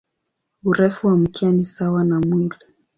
Urefu wa mkia ni sawa na mwili.